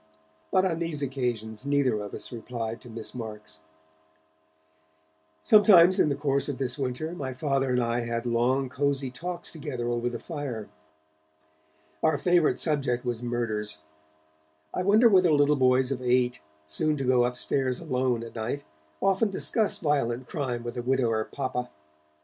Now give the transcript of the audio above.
But on these occasions neither of us replied to Miss Marks. Sometimes in the course of this winter, my Father and I had long cosy talks together over the fire. Our favourite subject was murders. I wonder whether little boys of eight, soon to go upstairs alone at night, often discuss violent crime with a widower papa?